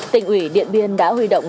tỉnh ủy điện biên đã huy động